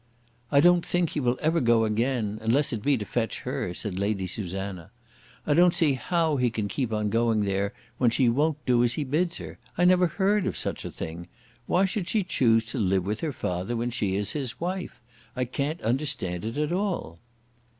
"I don't think he will ever go again, unless it be to fetch her," said Lady Susanna. "I don't see how he can keep on going there, when she won't do as he bids her. I never heard of such a thing! Why should she choose to live with her father when she is his wife? I can't understand it at all."